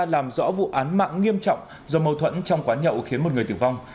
làm rõ vụ án mạng nghiêm trọng do mâu thuẫn trong quán nhậu khiến một người tử vong